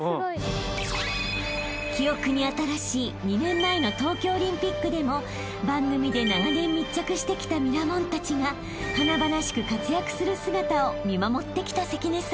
［記憶に新しい２年前の東京オリンピックでも番組で長年密着してきたミラモンたちが華々しく活躍する姿を見守ってきた関根さん］